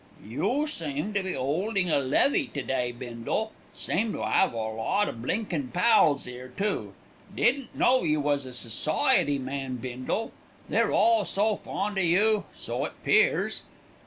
"You seem to be holdin' a levvy to day, Bindle. Seem to 'ave a lot o' blinkin' pals 'ere, too! Didn't know you was a society man, Bindle. They're all so fond of you, so it 'pears.